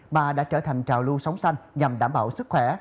mà đã trở thành trào lưu sống xanh nhằm đảm bảo sức khỏe